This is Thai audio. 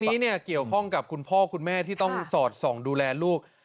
นี้เนี่ยเกี่ยวข้องกับคุณพ่อคุณแม่ที่ต้องสอดส่องดูแลลูก